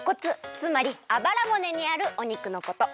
つまりあばらぼねにあるお肉のこと。